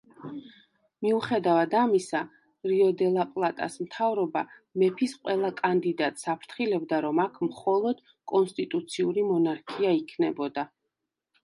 მიუხედავად ამისა, რიო-დე-ლა-პლატას მთავრობა მეფის ყველა კანდიდატს აფრთხილებდა, რომ აქ მხოლოდ კონსტიტუციური მონარქია იქნებოდა.